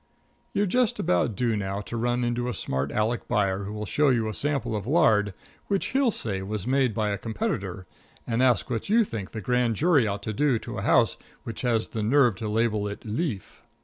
You're just about due now to run into a smart Aleck buyer who'll show you a sample of lard which he'll say was made by a competitor, and ask what you think the grand jury ought to do to a house which had the nerve to label it "leaf."